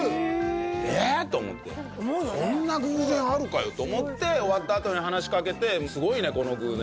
「えっ！？」と思ってと思って終わったあとに話しかけて「すごいねこの偶然」